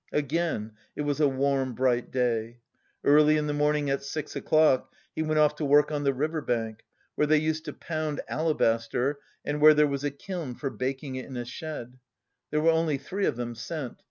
Again it was a warm bright day. Early in the morning, at six o'clock, he went off to work on the river bank, where they used to pound alabaster and where there was a kiln for baking it in a shed. There were only three of them sent.